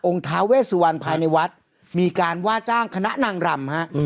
ท้าเวสวันภายในวัดมีการว่าจ้างคณะนางรำฮะ